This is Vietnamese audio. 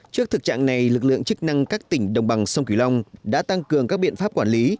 trước thực trạng này lực lượng chức năng các tỉnh đồng bằng sông kiều long đã tăng cường các biện pháp quản lý